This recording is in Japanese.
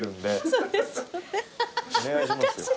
そうですよね。